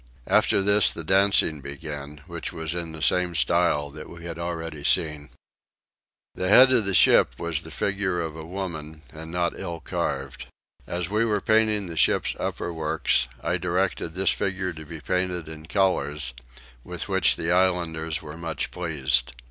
After this the dancing began, which was in the same style that we had already seen. The head of the ship was the figure of a woman, and not ill carved. As we were painting the ship's upper works I directed this figure to be painted in colours, with which the islanders were much pleased.